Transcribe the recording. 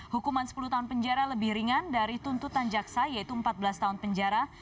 hukuman sepuluh tahun penjara lebih ringan dari tuntutan jaksa yaitu empat belas tahun penjara